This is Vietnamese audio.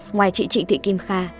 ngoài chị chị thị kim kha